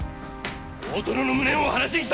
大殿の無念を晴らしに来た！